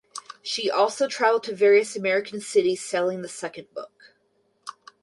She also traveled to various American cities selling the second book.